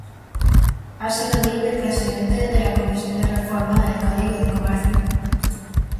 Ha sido miembro y Presidente de la Comisión de Reforma del Código de Comercio.